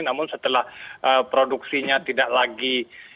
namun setelah produksinya tidak lagi